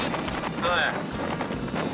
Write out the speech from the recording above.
はい。